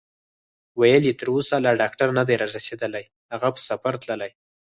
ویل یې: تر اوسه لا ډاکټر نه دی رارسېدلی، هغه په سفر تللی.